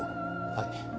はい。